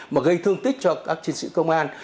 mà gây thương tích cho các chiến sĩ công an